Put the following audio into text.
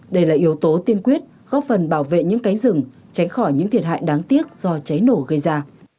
đây là yếu tố tiên quyết góp phần bảo vệ những cánh rừng tránh khỏi những thiệt hại đáng tiếc do cháy nổ gây ra